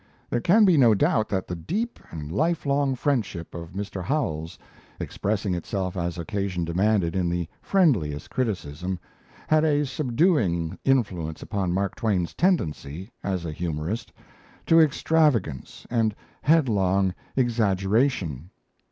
There can be no doubt that the deep and lifelong friendship of Mr. Howells, expressing itself as occasion demanded in the friendliest criticism, had a subduing influence upon Mark Twain's tendency, as a humorist, to extravagance and headlong exaggeration.